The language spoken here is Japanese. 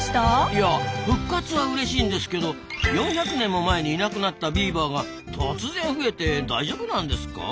いや復活はうれしいんですけど４００年も前にいなくなったビーバーが突然増えて大丈夫なんですか？